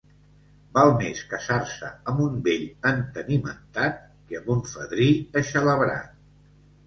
Val més casar-se amb un vell entenimentat que amb un fadrí eixelebrat.